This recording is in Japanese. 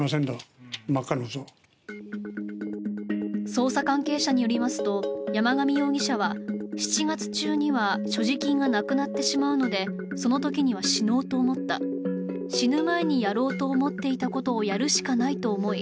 捜査関係者によりますと山上容疑者は７月中には所持金がなくなってしまうので、そのときには死のうと思った、死ぬ前にやろうと思っていたことをやるしかないと思い